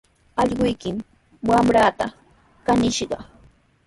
Allquykimi wamraata kaniskishqa.